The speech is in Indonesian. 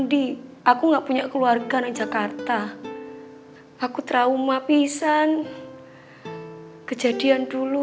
di aku gak punya keluarga danjakara aku traumatis jj conse stations kejadian dulu